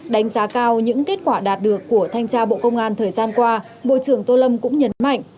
đánh giá cao những kết quả đạt được của thanh tra bộ công an thời gian qua bộ trưởng tô lâm cũng nhấn mạnh